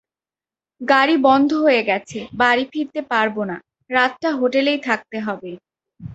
গাড়ি বন্ধ হয়ে গেছে, বাড়ি ফিরতে পারব না, রাতটা হোটেলেই থাকতে হবে।